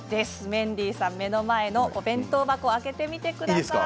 メンディーさん、目の前のお弁当箱を開けてみてください。